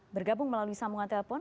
bergabung melalui sambungan telepon